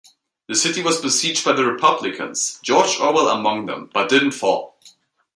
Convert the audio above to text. The city was besieged by the Republicans, George Orwell among them, but didn't fall.